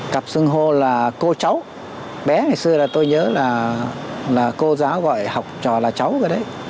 cặp sưng hô là cô cháu bé ngày xưa là tôi nhớ là cô giáo gọi học trò là cháu cái đấy